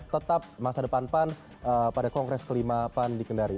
tetap masa depan pan pada kongres kelima pan di kendari